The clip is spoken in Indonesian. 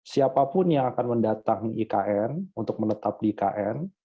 siapapun yang akan mendatangi ikn untuk menetap di ikn